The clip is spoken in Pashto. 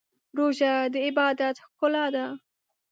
روژه د عبادت ښکلا ده.